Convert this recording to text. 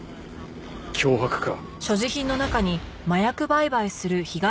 脅迫か。